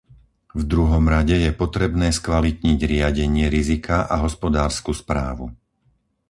V druhom rade je potrebné skvalitniť riadenie rizika a hospodársku správu.